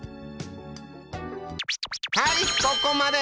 はいここまで！